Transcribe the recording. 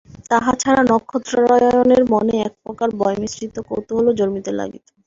তাহা ছাড়া নক্ষত্ররায়ের মনে এক-প্রকার ভয়মিশ্রিত কৌতূহলও জন্মিতে লাগিল।